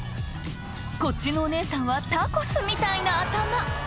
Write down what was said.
こっちのお姉さんはタコスみたいな頭